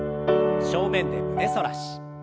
正面で胸反らし。